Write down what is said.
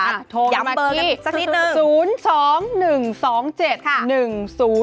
โทรมาที่ย้ำเบอร์กันสักนิดนึง